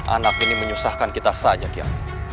anak ini menyusahkan kita saja kian